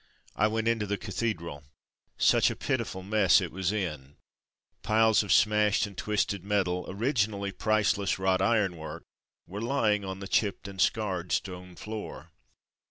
I went into the cathedral. Such a pitiful mess it was in! Piles of smashed and twisted metal — originally priceless wrought iron work — ^were lying on the chipped and scarred stone floor.